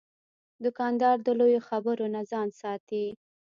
دوکاندار د لویو خبرو نه ځان ساتي.